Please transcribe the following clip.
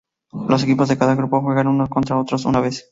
Los equipos de cada grupo juegan unos contra otros una vez.